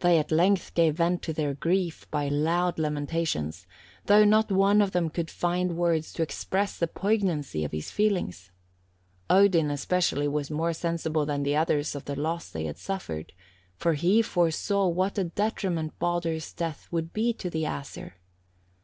They at length gave vent to their grief by loud lamentations, though not one of them could find words to express the poignancy of his feelings. Odin, especially, was more sensible than the others of the loss they had suffered, for he foresaw what a detriment Baldur's death would be to the Æsir.